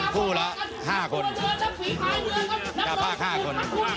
จะภาค๕คน